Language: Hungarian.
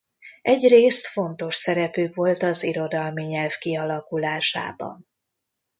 Egyrészt fontos szerepük volt az irodalmi nyelv kialakulásában.